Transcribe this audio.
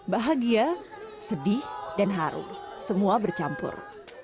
bahagia sedih dan haru semua bercampur